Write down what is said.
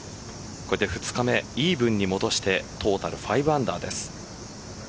これで２日目、イーブンに戻してトータル５アンダーです。